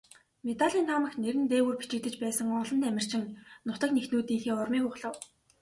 Медалийн таамагт нэр нь дээгүүр бичигдэж байсан олон тамирчин нутаг нэгтнүүдийнхээ урмыг хугалав.